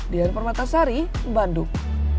dian permatasari bandung